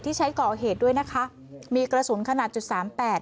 ใช้ก่อเหตุด้วยนะคะมีกระสุนขนาดจุดสามแปด